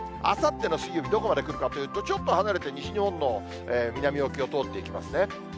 あさっての水曜日、どこまで来るかというと、ちょっと離れて西日本の南沖を通っていきますね。